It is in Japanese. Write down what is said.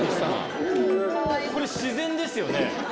これ自然ですよね。